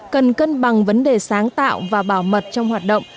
cần cân bằng vấn đề sáng tạo và bảo mật trong hoạt động